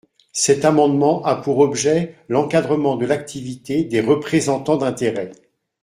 Cet amendement a pour objet l’encadrement de l’activité des représentants d’intérêts.